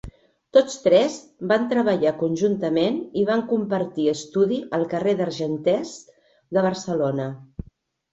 Tots tres van treballar conjuntament i van compartir estudi al carrer Argenters de Barcelona.